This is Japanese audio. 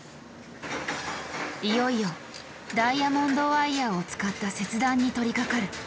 いよいよダイヤモンドワイヤーを使った切断に取りかかる。